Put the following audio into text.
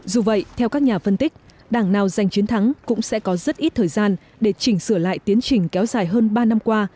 dù vậy theo các nhà phân tích đảng nào giành chiến thắng cũng sẽ có rất ít thời gian để chỉnh sửa lại tiến trình kéo dài hơn ba năm qua